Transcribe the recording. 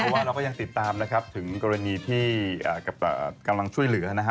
เพราะว่าเราก็ยังติดตามนะครับถึงกรณีที่กำลังช่วยเหลือนะฮะ